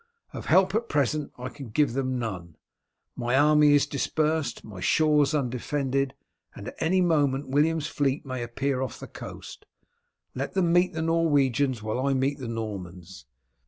Of help at present I can give them none; my army is dispersed, my shores undefended, and at any moment William's fleet may appear off the coast. Let them meet the Norwegians, while I meet the Normans.